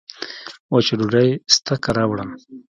وچه ډوډۍ سته که راوړم